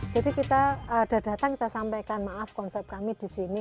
jadi kita sudah datang kita sampaikan maaf konsep kami di sini